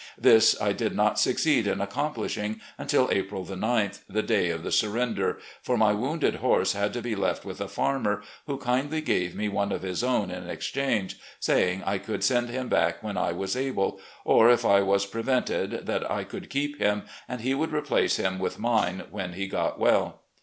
This I did not succeed in accomplishing until April 9th, the day of the surrender, for my wounded horse had to be left with a farmer, who kindly gave me one of his own in exchange, saying I could send him back when I was able, or, if I was prevented, that I could keep him and he would replace him with min e when he got well.